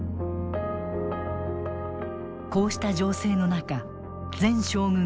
こうした情勢の中前将軍